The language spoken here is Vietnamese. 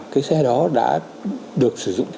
cái xe đó đã được sử dụng